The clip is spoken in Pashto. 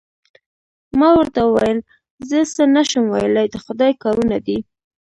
ما ورته وویل: زه څه نه شم ویلای، د خدای کارونه دي.